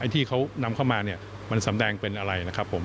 ที่เขานำเข้ามาเนี่ยมันสำแดงเป็นอะไรนะครับผม